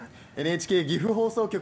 ＮＨＫ岐阜放送局